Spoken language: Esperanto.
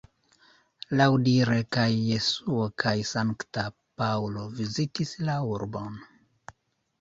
Laŭdire kaj Jesuo kaj Sankta Paŭlo vizitis la urbon.